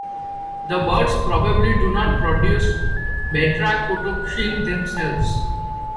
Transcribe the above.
The birds probably do not produce batrachotoxin themselves.